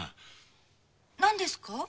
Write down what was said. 何ですか？